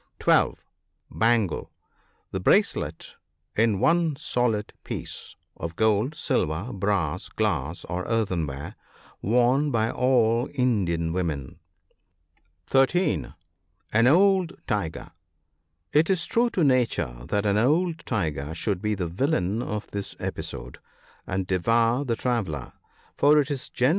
(12.) Bangle. — The bracelet, in one solid piece, of gold, silver, brass, glass, or earthenware, worn by all Indian women. (13) An old tiger. — It is true to nature that an " old tiger" should be the villain of this episode, and devour the traveller ; for it is gene NOTES.